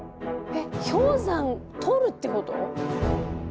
えっ氷山取るってこと？